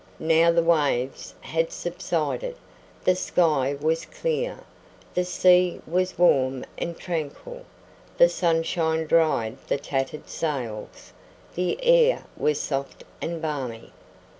Now the waves had subsided; the sky was clear; the sea was warm and tranquil; the sunshine dried the tattered sails; the air was soft and balmy.